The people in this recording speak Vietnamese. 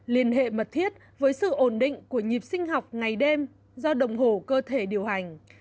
liên hệ mật thiết với sự ổn định của nhịp sinh học ngày đêm do đồng hồ cơ thể điều hành